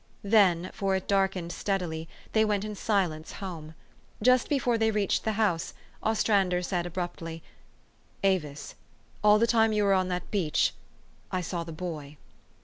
Then, for it darkened steadily., they went in silence home. Just before they reached the house, Ostran der said abruptly, " Avis, all the time you were on that beach, I saw the boy."